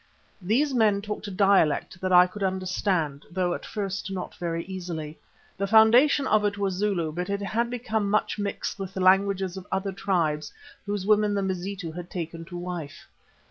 These men talked a dialect that I could understand, though at first not very easily. The foundation of it was Zulu, but it had become much mixed with the languages of other tribes whose women the Mazitu had taken to wife.